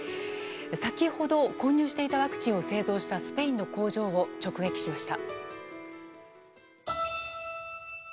先ほど、混入していたワクチンを製造したスペインの工場を直撃しました。